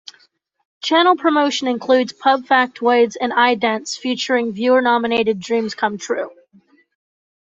Channel promotion includes pub factoids and idents featuring viewer nominated "dreams come true".